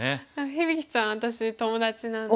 響ちゃん私友達なんで。